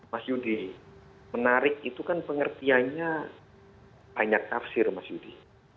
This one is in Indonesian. mas yudi menarik itu kan pengertiannya banyak tafsir mas yudi